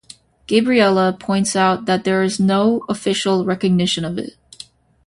Gabriella points out that there is no official recognition of it.